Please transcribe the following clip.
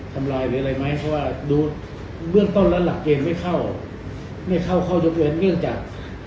ทำลายหรืออะไรไหมเพราะว่าดูเบื้องต้นแล้วหลักเกณฑ์ไม่เข้าไม่เข้าเข้าโรงเรียนเนื่องจาก